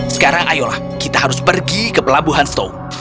sekarang ayolah kita harus pergi ke pelabuhan stone